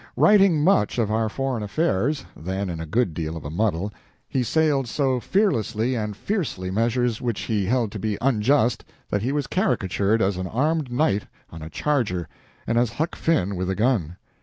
Writing much of our foreign affairs, then in a good deal of a muddle, he assailed so fearlessly and fiercely measures which he held to be unjust that he was caricatured as an armed knight on a charger and as Huck Finn with a gun.